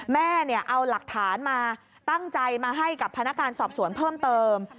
แม่เอาหลักฐานมาตั้งใจมาให้กับพนักการสอบสวนเพิ่มเติม